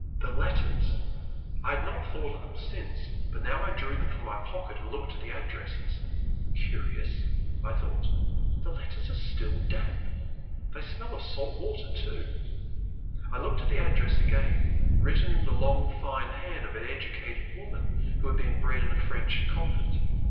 The letters ! I had not thought of them since, but now I drew them from my pocket and looked at the addresses. Curious/* I thought, '*the letters are still damp ; they smell of salt water too.'* I looked at the address again, written in the long fine hand of an educated woman who had been bred in a French convent.